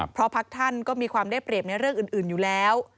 เพราะพักท่านก็มีความได้เปรียบในเรื่องอื่นอยู่แล้ว